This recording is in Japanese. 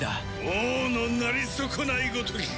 王のなり損ないごときが！